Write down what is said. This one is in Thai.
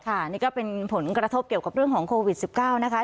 นี่ก็เป็นผลกระทบเกี่ยวกับเรื่องของโควิด๑๙นะคะ